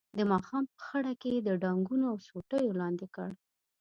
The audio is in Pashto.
د ماښام په خړه کې یې د ډانګونو او سوټیو لاندې کړ.